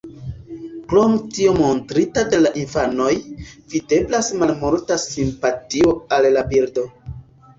Krom tiu montrita de la infanoj, videblas malmulta simpatio al la birdo.